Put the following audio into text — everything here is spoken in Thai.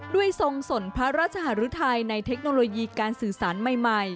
ทรงสนพระราชหารุทัยในเทคโนโลยีการสื่อสารใหม่